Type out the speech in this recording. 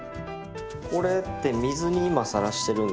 これって水に今さらしてるんですけど。